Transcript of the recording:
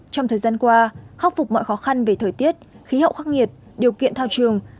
trong thời gian qua khắc phục mọi khó khăn về thời tiết khí hậu khắc nghiệt điều kiện thao trường